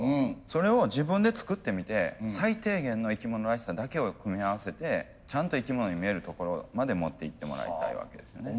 それを自分で作ってみて最低限の生き物らしさだけを組み合わせてちゃんと生き物に見えるところまで持っていってもらいたいわけですよね。